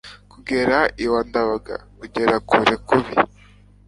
kugera iwa ndabaga kugera kure kubi